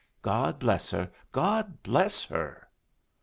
God bless her! God bless her!"